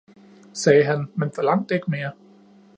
sagde han, men forlangte ikke mere.